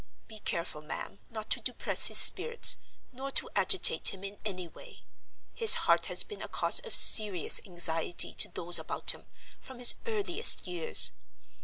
Be careful, ma'am, not to depress his spirits, nor to agitate him in any way. His heart has been a cause of serious anxiety to those about him, from his earliest years.